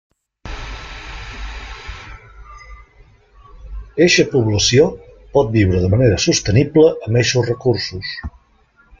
Eixa població pot viure de manera sostenible amb eixos recursos.